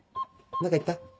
何か言った？